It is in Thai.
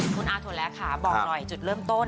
คุณอาถุระค่ะบอกหน่อยจุดเริ่มต้น